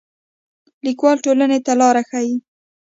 لیکوال ټولنې ته لار ښيي